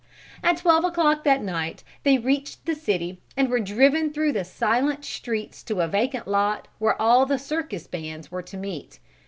At twelve o'clock at night they reached the city and were driven through the silent streets to a vacant lot where all the circus bands were to meet.